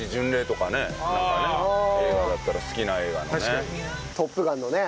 映画だったら好きな映画のね。